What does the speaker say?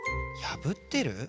やぶってる？